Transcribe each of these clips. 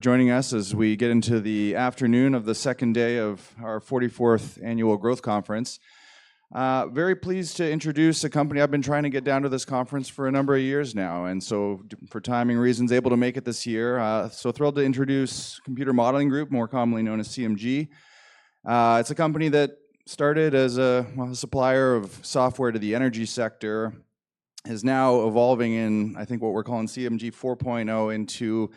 Joining us as we get into the afternoon of the second day of our 44th annual Growth Conference. Very pleased to introduce a company I've been trying to get down to this conference for a number of years now, and so for timing reasons, able to make it this year. So thrilled to introduce Computer Modelling Group, more commonly known as CMG. It's a company that started as a, well, a supplier of software to the energy sector, is now evolving in, I think, what we're calling CMG 4.0, into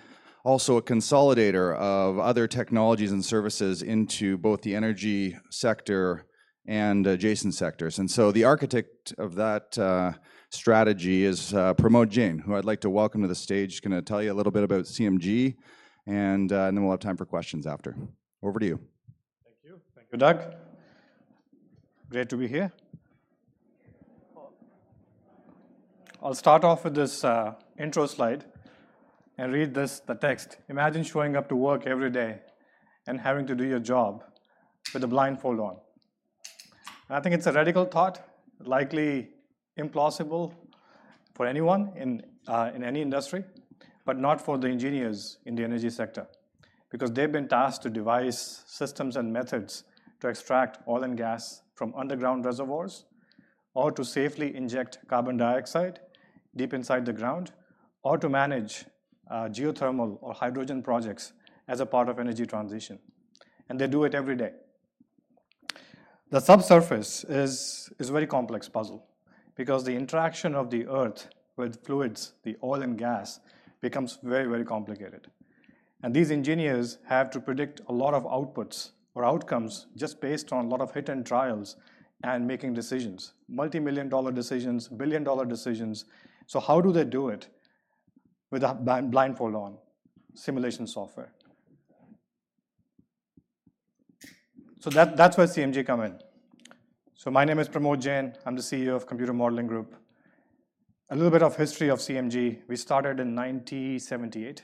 also a consolidator of other technologies and services into both the energy sector and adjacent sectors. And so the architect of that strategy is Pramod Jain, who I'd like to welcome to the stage. He's gonna tell you a little bit about CMG, and then we'll have time for questions after. Over to you. Thank you. Thank you, Doug. Great to be here. I'll start off with this intro slide and read this, the text. "Imagine showing up to work every day and having to do your job with a blindfold on." And I think it's a radical thought, likely implausible for anyone in any industry, but not for the engineers in the energy sector, because they've been tasked to devise systems and methods to extract oil and gas from underground reservoirs, or to safely inject carbon dioxide deep inside the ground, or to manage geothermal or hydrogen projects as a part of energy transition, and they do it every day. The subsurface is a very complex puzzle because the interaction of the Earth with fluids, the oil and gas, becomes very, very complicated. These engineers have to predict a lot of outputs or outcomes just based on a lot of hit and trials and making decisions, multi-million dollar decisions, billion-dollar decisions. So how do they do it with a blind, blindfold on? Simulation software. So that, that's where CMG come in. So my name is Pramod Jain. I'm the CEO of Computer Modelling Group. A little bit of history of CMG. We started in 1978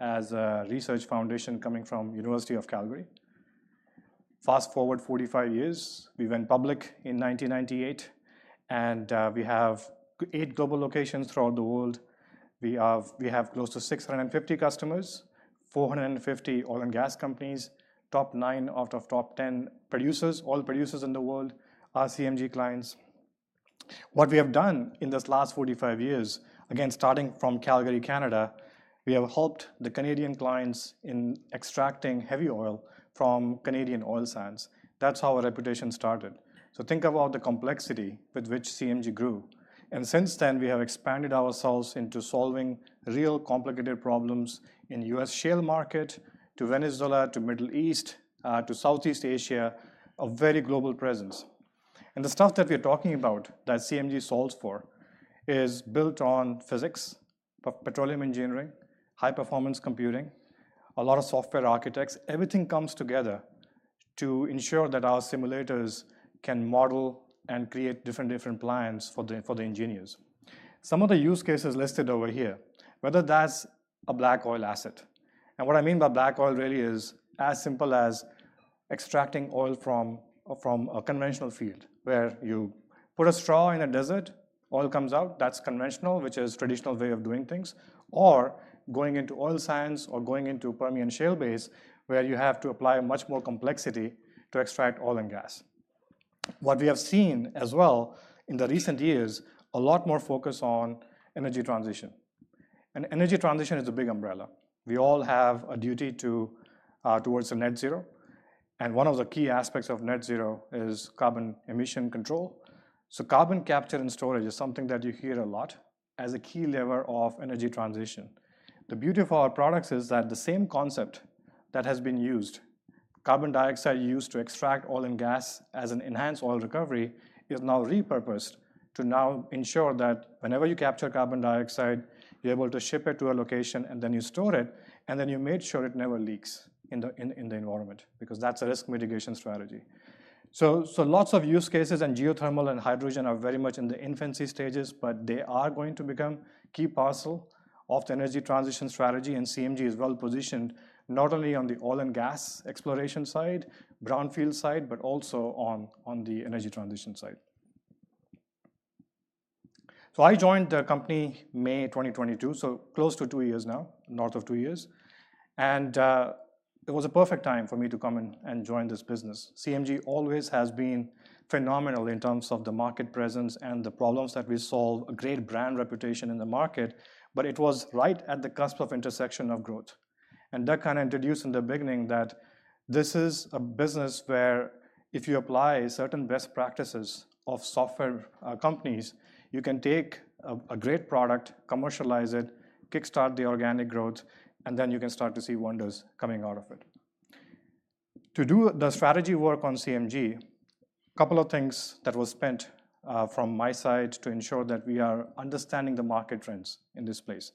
as a research foundation coming from University of Calgary. Fast forward 45 years, we went public in 1998, and we have eight global locations throughout the world. We have close to 650 customers, 450 oil and gas companies. Top nine out of top 10 producers, oil producers in the world, are CMG clients. What we have done in this last 45 years, again, starting from Calgary, Canada, we have helped the Canadian clients in extracting heavy oil from Canadian oil sands. That's how our reputation started. So think about the complexity with which CMG grew. And since then, we have expanded ourselves into solving real complicated problems in US shale market, to Venezuela, to Middle East, to Southeast Asia, a very global presence. And the stuff that we're talking about that CMG solves for is built on physics, petroleum engineering, high-performance computing, a lot of software architects. Everything comes together to ensure that our simulators can model and create different, different plans for the, for the engineers. Some of the use cases listed over here, whether that's a black oil asset. What I mean by black oil really is as simple as extracting oil from a conventional field, where you put a straw in a desert, oil comes out. That's conventional, which is traditional way of doing things. Or going into oil sands, or going into Permian Shale Basin, where you have to apply much more complexity to extract oil and gas. What we have seen as well in the recent years, a lot more focus on energy transition, and energy transition is a big umbrella. We all have a duty to towards the net zero, and one of the key aspects of net zero is carbon emission control. So carbon capture and storage is something that you hear a lot as a key lever of energy transition. The beauty of our products is that the same concept that has been used, carbon dioxide used to extract oil and gas as an Enhanced Oil Recovery, is now repurposed to now ensure that whenever you capture carbon dioxide, you're able to ship it to a location, and then you store it, and then you made sure it never leaks in the environment, because that's a risk mitigation strategy. So, so lots of use cases, and Geothermal and Hydrogen are very much in the infancy stages, but they are going to become key parcel of the Energy Transition strategy, and CMG is well positioned not only on the oil and gas exploration side, Brownfield side, but also on the Energy Transition side. So I joined the company May 2022, so close to two years now, north of two years, and it was a perfect time for me to come and join this business. CMG always has been phenomenal in terms of the market presence and the problems that we solve, a great brand reputation in the market, but it was right at the cusp of intersection of growth. Doug kind of introduced in the beginning that this is a business where if you apply certain best practices of software companies, you can take a great product, commercialize it, kickstart the organic growth, and then you can start to see wonders coming out of it. To do the strategy work on CMG, a couple of things that was spent from my side to ensure that we are understanding the market trends in this place.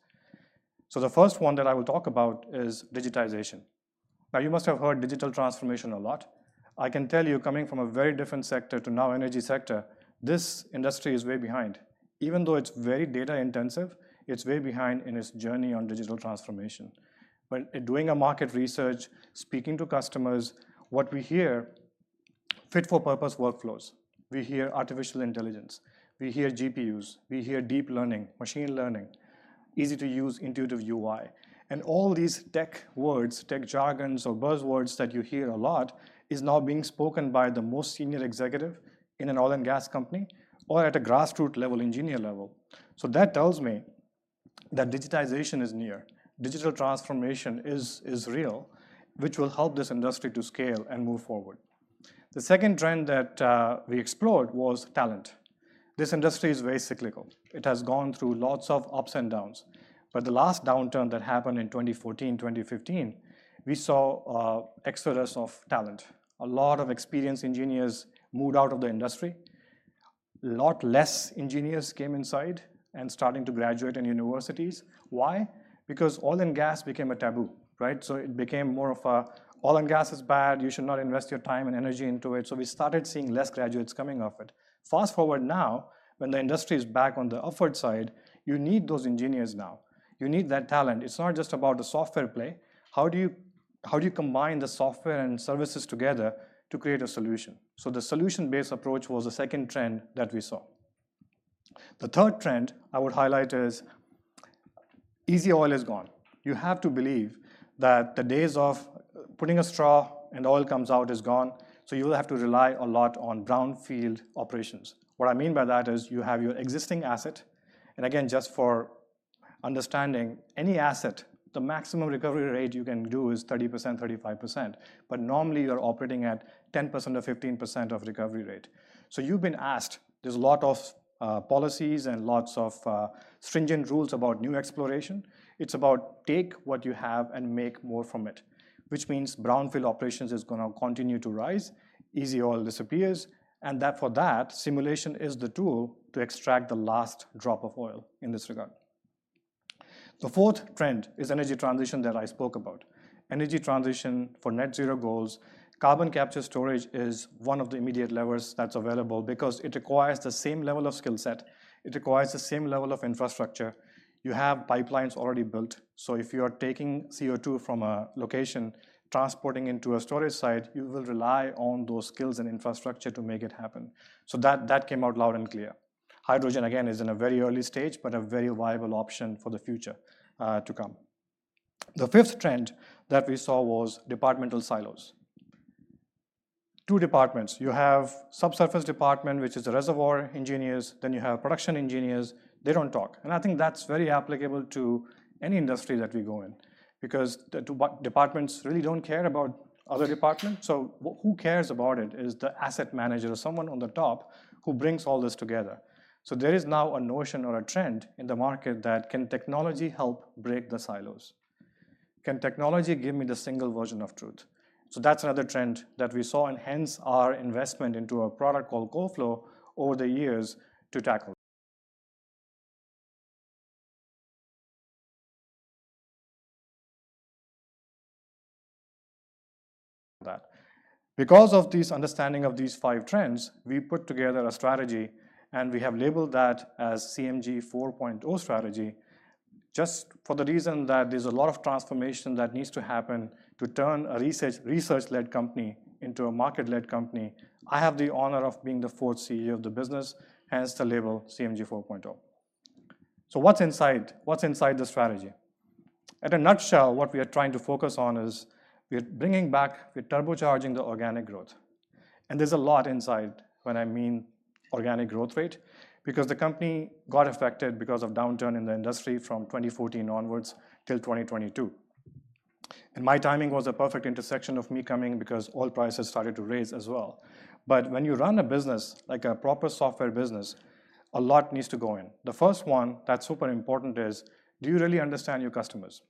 So the first one that I will talk about is digitization. Now, you must have heard digital transformation a lot. I can tell you, coming from a very different sector to now energy sector, this industry is way behind. Even though it's very data intensive, it's way behind in its journey on digital transformation. When doing a market research, speaking to customers, what we hear fit for purpose workflows. We hear artificial intelligence, we hear GPUs, we hear deep learning, machine learning, easy to use intuitive UI. And all these tech words, tech jargons, or buzzwords that you hear a lot, is now being spoken by the most senior executive in an oil and gas company or at a grassroot level, engineer level. So that tells me that digitization is near. Digital transformation is, is real, which will help this industry to scale and move forward. The second trend that we explored was talent. This industry is very cyclical. It has gone through lots of ups and downs, but the last downturn that happened in 2014, 2015, we saw a exodus of talent. A lot of experienced engineers moved out of the industry, a lot less engineers came inside and starting to graduate in universities. Why? Because oil and gas became a taboo, right? So it became more of a oil and gas is bad, you should not invest your time and energy into it. So we started seeing less graduates coming off it. Fast forward now, when the industry is back on the upward side, you need those engineers now. You need that talent. It's not just about the software play. How do you, how do you combine the software and services together to create a solution? So the solution-based approach was the second trend that we saw. The third trend I would highlight is easy oil is gone. You have to believe that the days of putting a straw and oil comes out is gone, so you will have to rely a lot on brownfield operations. What I mean by that is you have your existing asset, and again, just for understanding, any asset, the maximum recovery rate you can do is 30%, 35%, but normally you're operating at 10% or 15% of recovery rate. So you've been asked, there's a lot of policies and lots of stringent rules about new exploration. It's about take what you have and make more from it, which means brownfield operations is gonna continue to rise, easy oil disappears, and that for that, simulation is the tool to extract the last drop of oil in this regard. The fourth trend is energy transition that I spoke about. Energy transition for net zero goals, carbon capture storage is one of the immediate levers that's available because it requires the same level of skill set, it requires the same level of infrastructure. You have pipelines already built, so if you are taking CO2 from a location, transporting into a storage site, you will rely on those skills and infrastructure to make it happen. So that, that came out loud and clear. Hydrogen, again, is in a very early stage, but a very viable option for the future, to come. The fifth trend that we saw was departmental silos. Two departments, you have subsurface department, which is the reservoir engineers, then you have production engineers. They don't talk, and I think that's very applicable to any industry that we go in, because departments really don't care about other departments. So who cares about it is the asset manager or someone on the top who brings all this together. So there is now a notion or a trend in the market that can technology help break the silos? Can technology give me the single version of truth? So that's another trend that we saw, and hence our investment into a product called CoFlow over the years to tackle that. Because of this understanding of these five trends, we put together a strategy, and we have labeled that as CMG 4.0 strategy, just for the reason that there's a lot of transformation that needs to happen to turn a research, research-led company into a market-led company. I have the honor of being the fourth CEO of the business, hence the label CMG 4.0. So what's inside? What's inside the strategy? In a nutshell, what we are trying to focus on is we are bringing back, we're turbocharging the organic growth, and there's a lot inside when I mean organic growth rate, because the company got affected because of downturn in the industry from 2014 onwards till 2022. And my timing was a perfect intersection of me coming because oil prices started to rise as well. But when you run a business, like a proper software business, a lot needs to go in. The first one that's super important is, do you really understand your customers?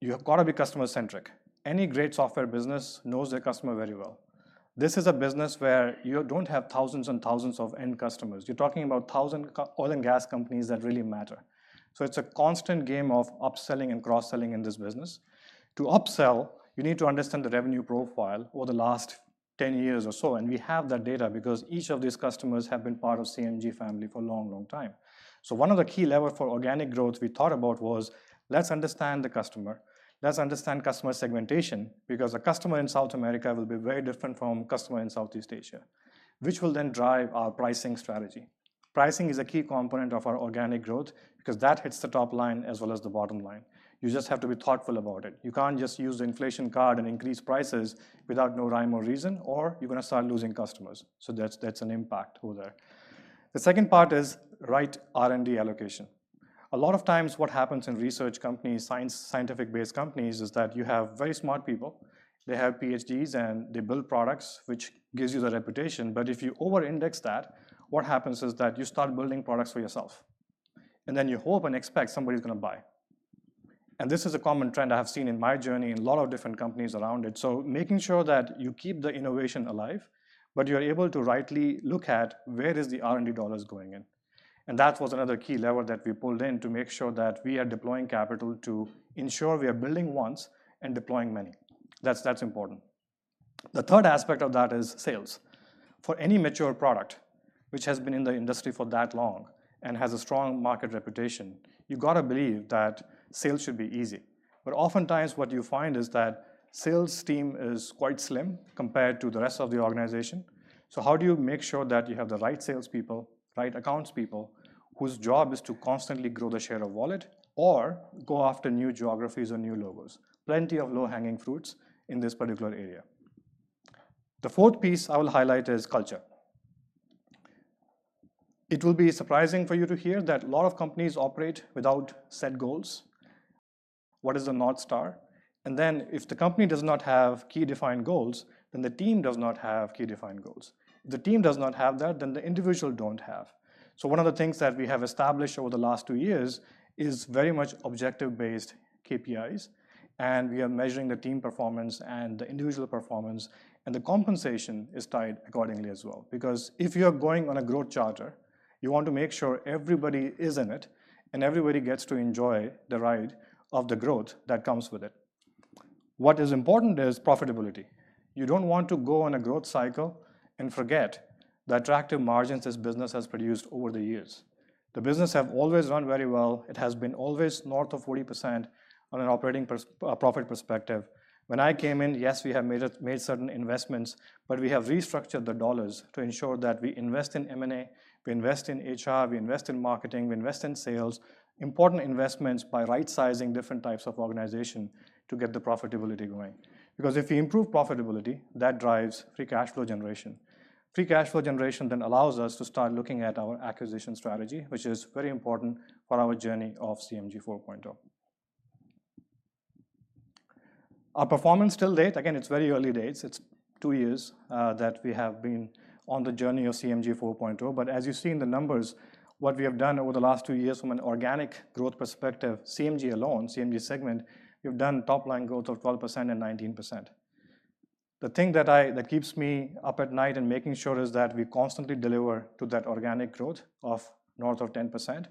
You have got to be customer-centric. Any great software business knows their customer very well. This is a business where you don't have thousands and thousands of end customers. You're talking about thousands of oil and gas companies that really matter. So it's a constant game of upselling and cross-selling in this business. To upsell, you need to understand the revenue profile over the last 10 years or so, and we have that data because each of these customers have been part of CMG family for a long, long time. So one of the key lever for organic growth we thought about was, let's understand the customer, let's understand customer segmentation, because a customer in South America will be very different from a customer in Southeast Asia, which will then drive our pricing strategy. Pricing is a key component of our organic growth because that hits the top line as well as the bottom line. You just have to be thoughtful about it. You can't just use the inflation card and increase prices without no rhyme or reason, or you're gonna start losing customers. So that's, that's an impact over there. The second part is right R&D allocation. A lot of times what happens in research companies, science, scientific-based companies, is that you have very smart people. They have PhDs, and they build products, which gives you the reputation. But if you over-index that, what happens is that you start building products for yourself, and then you hope and expect somebody's gonna buy. And this is a common trend I have seen in my journey in a lot of different companies around it. So making sure that you keep the innovation alive, but you're able to rightly look at where is the R&D dollars going in. And that was another key lever that we pulled in to make sure that we are deploying capital to ensure we are building once and deploying many. That's, that's important. The third aspect of that is sales. For any mature product which has been in the industry for that long and has a strong market reputation, you've got to believe that sales should be easy. But oftentimes, what you find is that sales team is quite slim compared to the rest of the organization. So how do you make sure that you have the right salespeople, right accounts people, whose job is to constantly grow the share of wallet or go after new geographies or new logos? Plenty of low-hanging fruits in this particular area. The fourth piece I will highlight is culture. It will be surprising for you to hear that a lot of companies operate without set goals. What is the North Star? And then, if the company does not have key defined goals, then the team does not have key defined goals. If the team does not have that, then the individual don't have. So one of the things that we have established over the last two years is very much objective-based KPIs, and we are measuring the team performance and the individual performance, and the compensation is tied accordingly as well. Because if you are going on a growth charter, you want to make sure everybody is in it, and everybody gets to enjoy the ride of the growth that comes with it. What is important is profitability. You don't want to go on a growth cycle and forget the attractive margins this business has produced over the years. The business have always run very well. It has been always north of 40% on an operating profit perspective. When I came in, yes, we have made, made certain investments, but we have restructured the dollars to ensure that we invest in M&A, we invest in HR, we invest in marketing, we invest in sales. Important investments by right-sizing different types of organization to get the profitability going. Because if we improve profitability, that drives free cash flow generation. Free cash flow generation then allows us to start looking at our acquisition strategy, which is very important for our journey of CMG 4.0. Our performance to date, again, it's very early days. It's two years that we have been on the journey of CMG 4.0. But as you see in the numbers, what we have done over the last two years from an organic growth perspective, CMG alone, CMG segment, we've done top line growth of 12% and 19%. The thing that keeps me up at night and making sure is that we constantly deliver to that organic growth of north of 10%,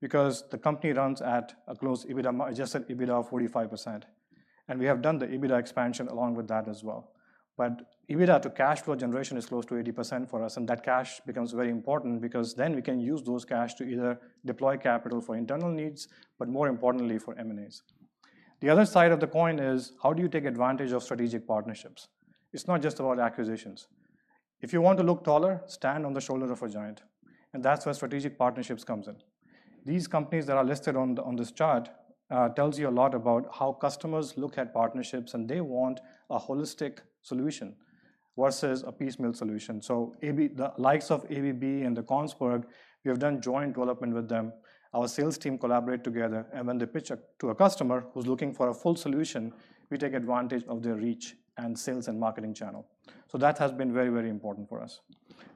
because the company runs at a close EBITDA margin, adjusted EBITDA of 45%, and we have done the EBITDA expansion along with that as well. EBITDA to cash flow generation is close to 80% for us, and that cash becomes very important because then we can use those cash to either deploy capital for internal needs, but more importantly, for M&As. The other side of the coin is: how do you take advantage of strategic partnerships? It's not just about acquisitions. If you want to look taller, stand on the shoulder of a giant, and that's where strategic partnerships comes in. These companies that are listed on the, on this chart, tells you a lot about how customers look at partnerships, and they want a holistic solution versus a piecemeal solution. So ABB, the likes of ABB and the Kongsberg, we have done joint development with them. Our sales team collaborate together, and when they pitch it to a customer who's looking for a full solution, we take advantage of their reach and sales and marketing channel. So that has been very, very important for us.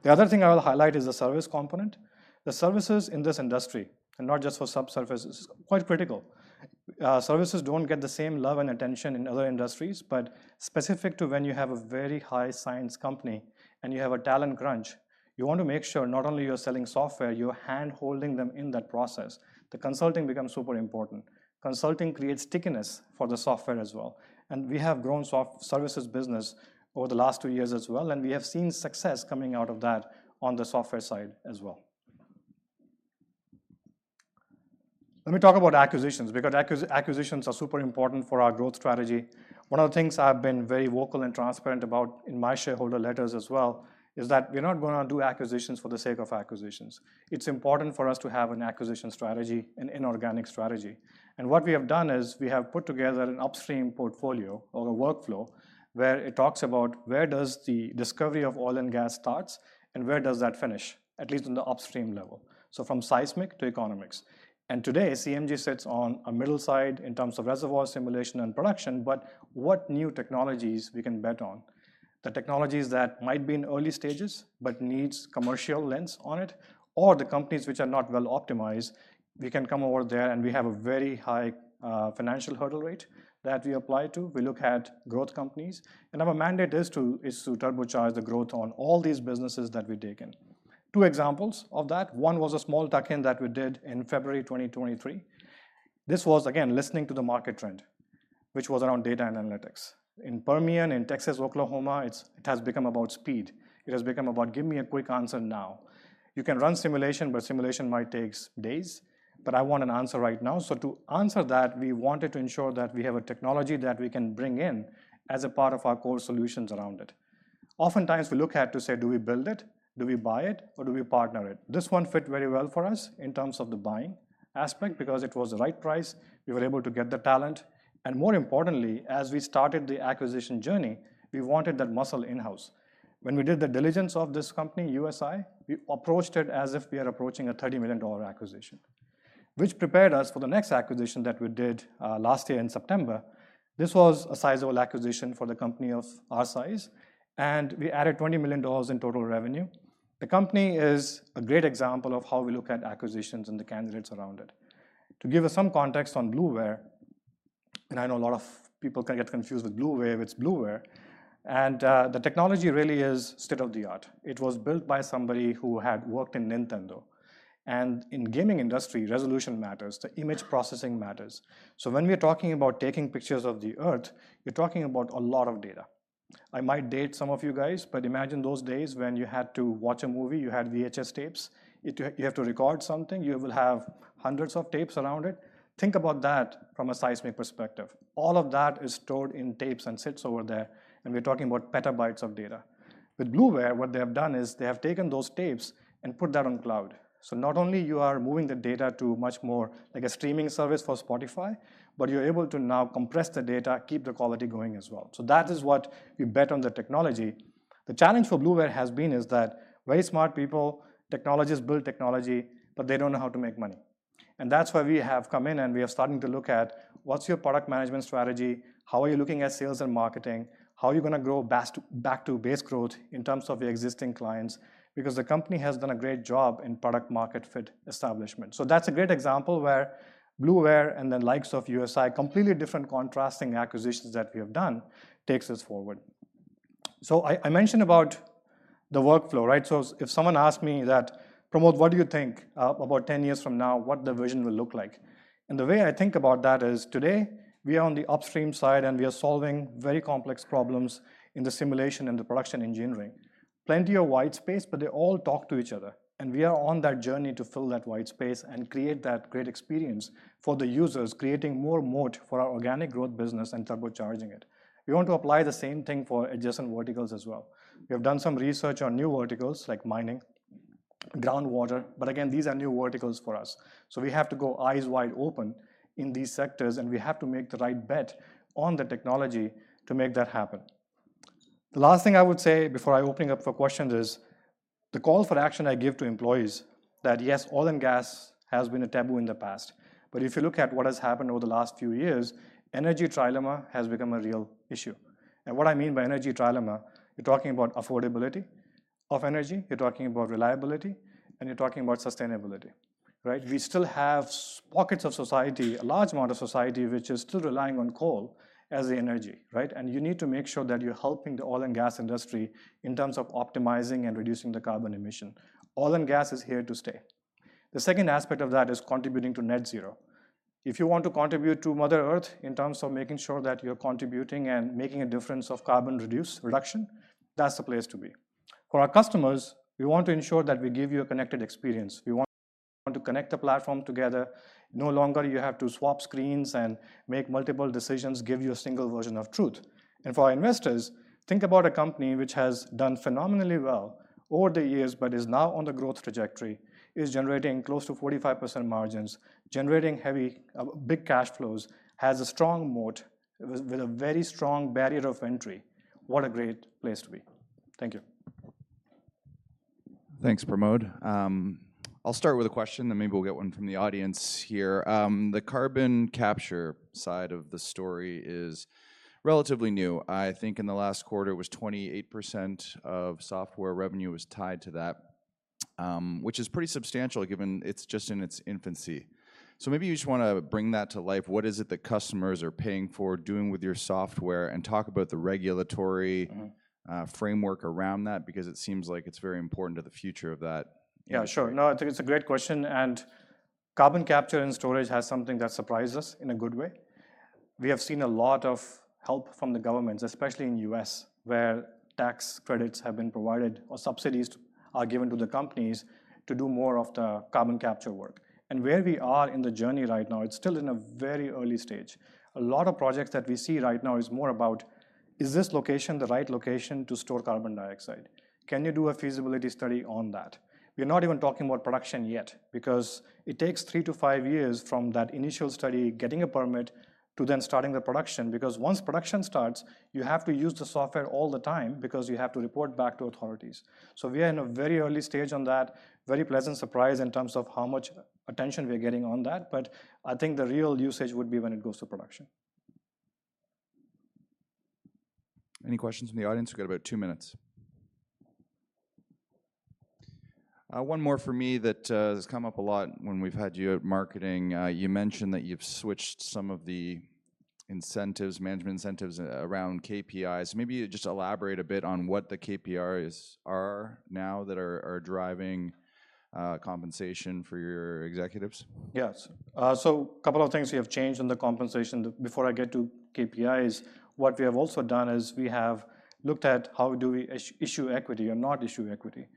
The other thing I will highlight is the service component. The services in this industry, and not just for subsurface, is quite critical. Services don't get the same love and attention in other industries, but specific to when you have a very high science company and you have a talent crunch, you want to make sure not only you're selling software, you are handholding them in that process. The consulting becomes super important. Consulting creates stickiness for the software as well, and we have grown services business over the last two years as well, and we have seen success coming out of that on the software side as well. Let me talk about acquisitions, because acquisitions are super important for our growth strategy. One of the things I've been very vocal and transparent about in my shareholder letters as well, is that we're not going to do acquisitions for the sake of acquisitions. It's important for us to have an acquisition strategy, an inorganic strategy. And what we have done is, we have put together an upstream portfolio or a workflow, where it talks about where does the discovery of oil and gas starts, and where does that finish, at least in the upstream level. So from seismic to economics. And today, CMG sits on a middle side in terms of reservoir simulation and production, but what new technologies we can bet on? The technologies that might be in early stages but needs commercial lens on it, or the companies which are not well optimized, we can come over there, and we have a very high, financial hurdle rate that we apply to. We look at growth companies, and our mandate is to turbocharge the growth on all these businesses that we've taken. Two examples of that. One was a small tuck-in that we did in February 2023. This was, again, listening to the market trend, which was around data and analytics. In Permian, in Texas, Oklahoma, it's, it has become about speed. It has become about, "Give me a quick answer now." You can run simulation, but simulation might takes days, but I want an answer right now. So to answer that, we wanted to ensure that we have a technology that we can bring in as a part of our core solutions around it. Oftentimes, we look at to say: Do we build it? Do we buy it, or do we partner it? This one fit very well for us in terms of the buying aspect, because it was the right price. We were able to get the talent, and more importantly, as we started the acquisition journey, we wanted that muscle in-house. When we did the diligence of this company, USI, we approached it as if we are approaching a $30 million acquisition, which prepared us for the next acquisition that we did, last year in September. This was a sizable acquisition for the company of our size, and we added $20 million in total revenue. The company is a great example of how we look at acquisitions and the candidates around it. To give us some context on Blueware, and I know a lot of people can get confused with Bluewave, it's Bluware, and the technology really is state-of-the-art. It was built by somebody who had worked in Nintendo. And in gaming industry, resolution matters, the image processing matters. So when we are talking about taking pictures of the Earth, we're talking about a lot of data. I might date some of you guys, but imagine those days when you had to watch a movie, you had VHS tapes. If you have to record something, you will have hundreds of tapes around it. Think about that from a seismic perspective. All of that is stored in tapes and sits over there, and we're talking about petabytes of data. With Bluware, what they have done is they have taken those tapes and put that on cloud. So not only you are moving the data to much more like a streaming service for Spotify, but you're able to now compress the data, keep the quality going as well. So that is what we bet on the technology. The challenge for Bluware has been is that very smart people, technologists build technology, but they don't know how to make money. And that's where we have come in, and we are starting to look at what's your product management strategy? How are you looking at sales and marketing? How are you gonna grow back to base growth in terms of your existing clients? Because the company has done a great job in product-market fit establishment. So that's a great example where Bluware and the likes of USI, completely different contrasting acquisitions that we have done, takes us forward. So I, I mentioned about the workflow, right? So if someone asks me that, "Pramod, what do you think, about 10 years from now, what the vision will look like?" And the way I think about that is, today, we are on the upstream side, and we are solving very complex problems in the simulation and the production engineering. Plenty of white space, but they all talk to each other, and we are on that journey to fill that white space and create that great experience for the users, creating more moat for our organic growth business and turbocharging it. We want to apply the same thing for adjacent verticals as well. We have done some research on new verticals like mining, groundwater, but again, these are new verticals for us. So we have to go eyes wide open in these sectors, and we have to make the right bet on the technology to make that happen. The last thing I would say before I open it up for questions is, the call for action I give to employees, that yes, oil and gas has been a taboo in the past, but if you look at what has happened over the last few years, energy trilemma has become a real issue. And what I mean by energy trilemma, you're talking about affordability of energy, you're talking about reliability, and you're talking about sustainability, right? We still have pockets of society, a large amount of society, which is still relying on coal as the energy, right? You need to make sure that you're helping the oil and gas industry in terms of optimizing and reducing the carbon emission. Oil and gas is here to stay. The second aspect of that is contributing to net zero. If you want to contribute to Mother Earth in terms of making sure that you're contributing and making a difference of carbon reduction, that's the place to be. For our customers, we want to ensure that we give you a connected experience. We want to connect the platform together. No longer you have to swap screens and make multiple decisions, give you a single version of truth. For our investors, think about a company which has done phenomenally well over the years but is now on the growth trajectory, is generating close to 45% margins, generating heavy, big cash flows, has a strong moat, with a very strong barrier of entry. What a great place to be. Thank you. Thanks, Pramod. I'll start with a question, then maybe we'll get one from the audience here. The carbon capture side of the story is relatively new. I think in the last quarter, it was 28% of software revenue was tied to that, which is pretty substantial, given it's just in its infancy. So maybe you just wanna bring that to life. What is it that customers are paying for, doing with your software? And talk about the regulatory Mm-hmm. framework around that, because it seems like it's very important to the future of that. Yeah, sure. No, I think it's a great question, and carbon capture and storage has something that surprised us in a good way. We have seen a lot of help from the governments, especially in U.S., where tax credits have been provided or subsidies are given to the companies to do more of the carbon capture work. And where we are in the journey right now, it's still in a very early stage. A lot of projects that we see right now is more about, is this location the right location to store carbon dioxide? Can you do a feasibility study on that? We're not even talking about production yet, because it takes three to five years from that initial study, getting a permit, to then starting the production. Because once production starts, you have to use the software all the time because you have to report back to authorities. We are in a very early stage on that. Very pleasant surprise in terms of how much attention we're getting on that, but I think the real usage would be when it goes to production. Any questions from the audience? We've got about two minutes. One more for me that has come up a lot when we've had you at marketing. You mentioned that you've switched some of the incentives, management incentives around KPIs. So maybe you just elaborate a bit on what the KPIs are now that are driving compensation for your executives. Yes. So a couple of things we have changed in the compensation. Before I get to KPIs, what we have also done is we have looked at how do we issue equity or not issue equity.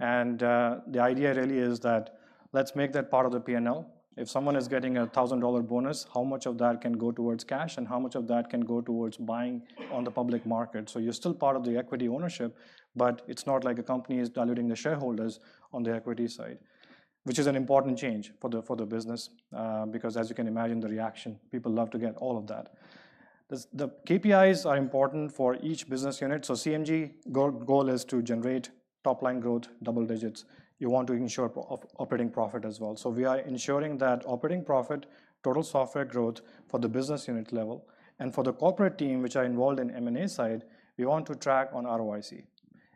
And the idea really is that, let's make that part of the P&L. If someone is getting a $1,000 bonus, how much of that can go towards cash, and how much of that can go towards buying on the public market? So you're still part of the equity ownership, but it's not like the company is diluting the shareholders on the equity side, which is an important change for the business. Because as you can imagine, the reaction, people love to get all of that. The KPIs are important for each business unit. So CMG goal is to generate top-line growth, double digits. You want to ensure operating profit as well. So we are ensuring that operating profit, total software growth for the business unit level. And for the corporate team, which are involved in M&A side, we want to track on ROIC,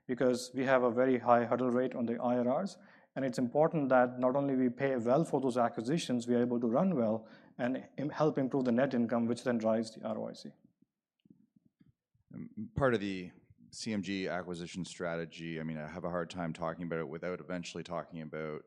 because we have a very high hurdle rate on the IRRs, and it's important that not only we pay well for those acquisitions, we are able to run well and help improve the net income, which then drives the ROIC. Part of the CMG acquisition strategy, I mean, I have a hard time talking about it without eventually talking about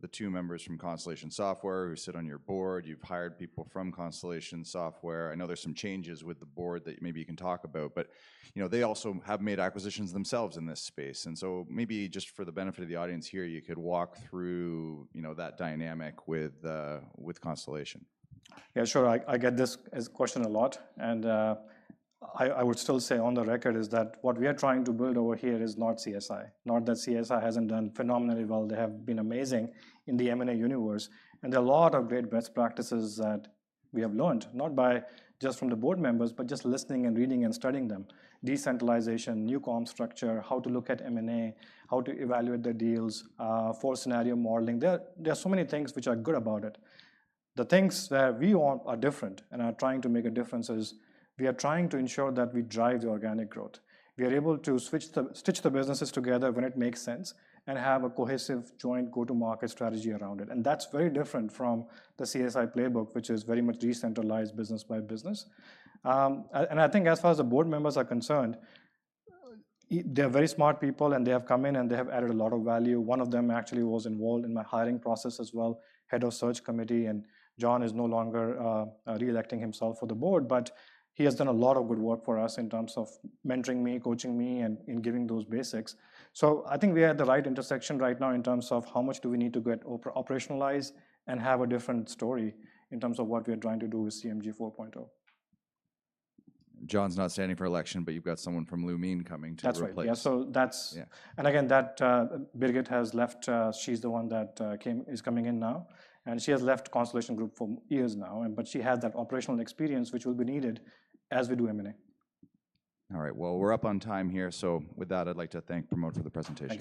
the two members from Constellation Software who sit on your board. You've hired people from Constellation Software. I know there's some changes with the board that maybe you can talk about, but, you know, they also have made acquisitions themselves in this space. And so maybe just for the benefit of the audience here, you could walk through, you know, that dynamic with Constellation. Yeah, sure. I get this as a question a lot, and I would still say on the record is that what we are trying to build over here is not CSI. Not that CSI hasn't done phenomenally well, they have been amazing in the M&A universe, and there are a lot of great best practices that we have learned, not by just from the board members, but just listening and reading and studying them. Decentralization, new comm structure, how to look at M&A, how to evaluate the deals, for scenario modeling. There are so many things which are good about it. The things that we want are different and are trying to make a difference is, we are trying to ensure that we drive the organic growth. We are able to stitch the businesses together when it makes sense and have a cohesive, joint go-to-market strategy around it, and that's very different from the CSI playbook, which is very much decentralized business by business. And I think as far as the board members are concerned, they're very smart people, and they have come in, and they have added a lot of value. One of them actually was involved in my hiring process as well, head of search committee, and John is no longer reelecting himself for the board, but he has done a lot of good work for us in terms of mentoring me, coaching me, and in giving those basics. I think we are at the right intersection right now in terms of how much do we need to get operationalized and have a different story in terms of what we are trying to do with CMG 4.0. John's not standing for election, but you've got someone from Lumine coming to replace That's right. Yeah, so that's Yeah. Again, that Birgit has left, she's the one that is coming in now, and she has left Lumine Group for years now, and but she has that operational experience, which will be needed as we do M&A. All right, well, we're up on time here, so with that, I'd like to thank Pramod for the presentation.